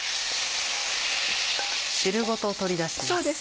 汁ごと取り出します。